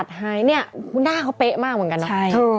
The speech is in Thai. จัดให้เนี่ยหน้าเขาเป๊ะมากเหมือนกันเนอะ